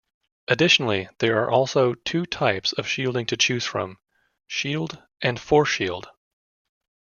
Additionally, there are also two types of shielding to choose from: shield and forcefield.